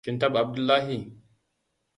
Kin taɓa Abdullahi?